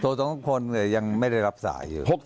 โทรต่อคนแต่ยังไม่ได้รับสาย